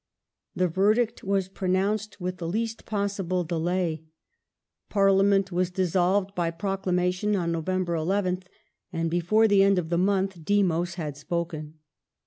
The verdict was pronounced with the least possible delay. General Parliament was dissolved by proclamation on November 11th, and of ^iggg before the end of the month Demos had spoken.